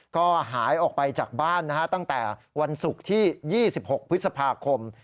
ก็หายออกไปจากบ้านตั้งแต่วันศุกร์ที่๒๖พฤษภาคม